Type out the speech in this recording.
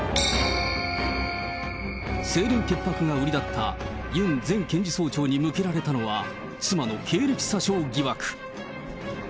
清廉潔白が売りだった、ユン前検事総長に向けられたのは、妻の経歴詐称疑惑。